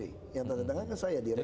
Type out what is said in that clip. yang tanda tangan ke saya di rekap